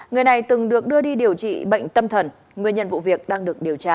người này từng được đưa đi điều trị bệnh tâm thần nguyên nhân vụ việc đang được điều tra